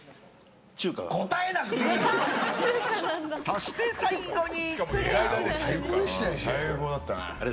そして最後に。